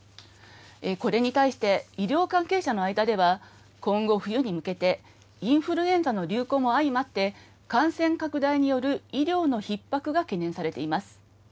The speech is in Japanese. これに対して医療関係者の間では、今後、冬に向けて、インフルエンザの流行も相まって、感染拡大による医療のひっ迫が懸念されています。